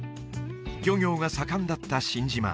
漁業が盛んだった新島